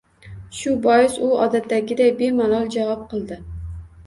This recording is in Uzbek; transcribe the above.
Shu bois, u odatdagiday bemalol javob qildi: